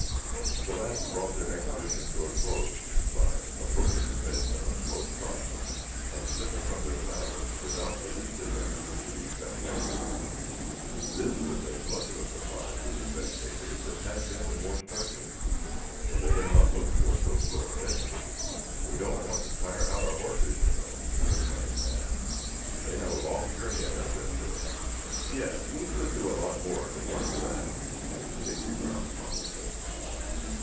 The lads brought their exhibition to a close by approaching the fence in a slow trot, and slipping from their saddles without the least attempt to be spectacular. This was as much of a surprise to the spectators as had been the more startling feats, for they had not looked for so slow a finish. "We don't want to tire out our horses, you know," explained Tad. "They have a long journey ahead of them today." "Yes, we could do a lot more if it weren't for that," added Stacy Brown pompously.